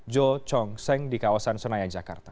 jo chong seng di kawasan senayan jakarta